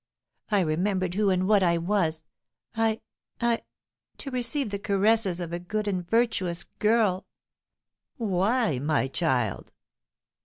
I remembered who and what I was; I I to receive the caresses of a good and virtuous girl!" "Why, my child?"